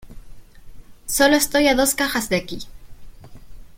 Sólo estoy a dos cajas de aquí.